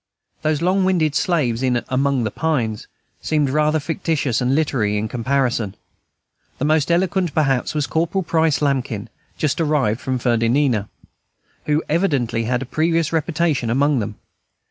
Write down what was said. Those long winded slaves in "Among the Pines" seemed rather fictitious and literary in comparison. The most eloquent, perhaps, was Corporal Price Lambkin, just arrived from Fernandina, who evidently had a previous reputation among them.